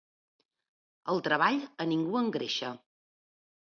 El treball a ningú engreixa.